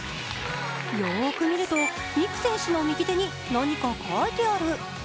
よーく見ると美空選手の右手に何か書いてある。